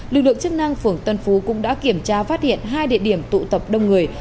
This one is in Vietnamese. lực lượng chức năng phường tân phú cũng đã kiểm tra phát hiện hai địa điểm tụ tập đông người